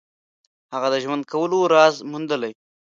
هغه د ژوند کولو راز موندلی.